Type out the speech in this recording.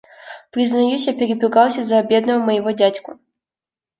Признаюсь, я перепугался за бедного моего дядьку.